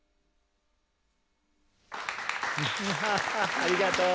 ありがとう。